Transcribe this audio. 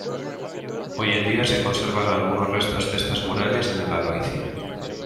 Hoy en día se conservan algunos restos de estas murallas en el Albaicín.